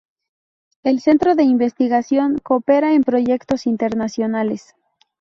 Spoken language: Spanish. El centro de investigación coopera en proyectos internacionales.